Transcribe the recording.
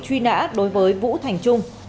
truy nã đối với vũ thành trung